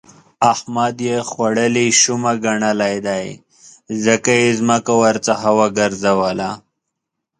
احمد يې خوړلې شومه ګنلی دی؛ ځکه يې ځمکه ورڅخه وګرځوله.